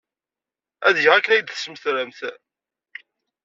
Ad geɣ akken ay d-tesmetrem.